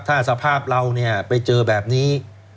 ถ้าสภาพเราไปเจอแบบนี้